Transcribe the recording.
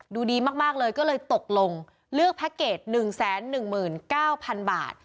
ดูดีมากเลยก็เลยตกลงเลือกแพ็คเกจ๑๑๙๐๐๐บาท